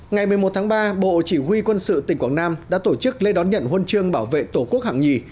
ngày một mươi một tháng ba bộ chỉ huy quân sự tỉnh quảng nam đã tổ chức lễ đón nhận huân chương bảo vệ tổ quốc hạng nhì